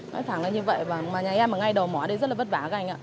nói thẳng là như vậy mà nhà em ở ngay đầu mỏ ở đây rất là vất vả các anh ạ